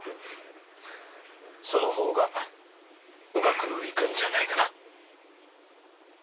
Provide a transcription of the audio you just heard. そのほうがうまくいくんじゃないかな？